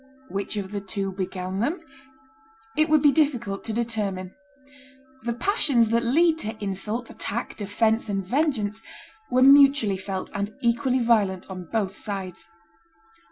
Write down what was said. Which of the two began them? It would be difficult to determine. The passions that lead to insult, attack, defence, and vengeance were mutually felt and equally violent on both sides.